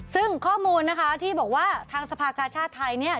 ซึ่งข้อมูลนะคะที่บอกว่าทางสภากาชาติไทยเนี่ย